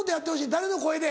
誰の声で？